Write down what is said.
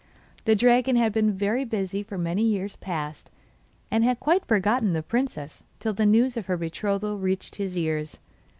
The dragon had been very busy for many years past, and had quite forgotten the princess till the news of her betrothal reached his ears.